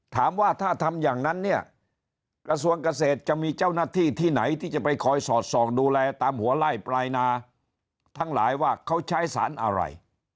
ถามว่าถ้าทำอย่างนั้นเนี่ยกระทรวงเกษตรจะมีเจ้าหน้าที่ที่ไหนที่จะไปคอยสอดส่องดูแลตามหัวไล่ปลายนาทั้งหลายว่าเขาใช้สารอะไร